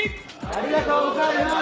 ありがとうございます！